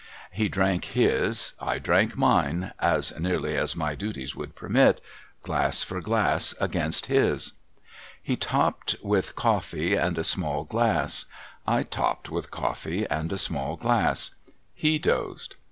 He drank his. I drank mine (as nearly as my duties would permit) glass for glass against his. He topped with coffee and a small glass. I topped with coffee and a small glass. He dozed.